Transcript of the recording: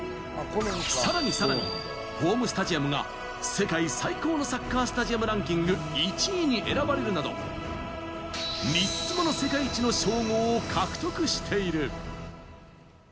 さらにさらに、ホームスタジアムが世界最高のサッカースタジアムランキング１位に選ばれるなど、３つもの世界一の称号を獲得している。